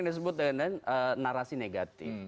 dengan narasi negatif